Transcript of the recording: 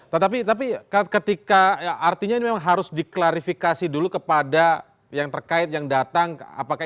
tetapi ketika artinya ini memang harus diklarifikasi dulu kepada yang terkait yang datang